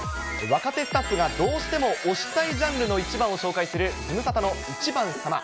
若手スタッフがどうしても推したいジャンルの１番を紹介するズムサタの１番さま。